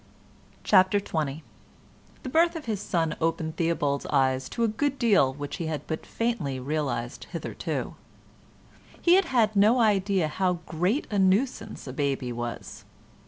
CHAPTER XX The birth of his son opened Theobald's eyes to a good deal which he had but faintly realised hitherto. He had had no idea how great a nuisance a baby was.